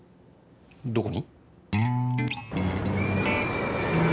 どこに？